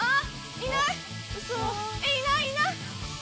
いない、いない！